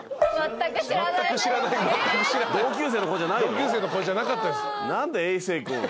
同級生の子じゃなかったんです。